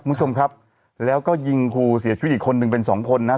คุณผู้ชมครับแล้วก็ยิงครูเสียชีวิตอีกคนนึงเป็นสองคนนะ